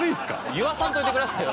言わさんといてくださいよ。